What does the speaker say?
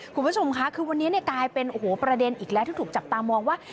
คุณผู้ชมค่ะคือวันนี้กลายเป็นโอ้โหประเด็นอีกแล้วที่ถูกจับตามองว่า